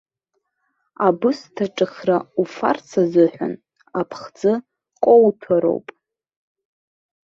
Абысҭа ҿахра уфарц азыҳәан, аԥхӡы коуҭәароуп.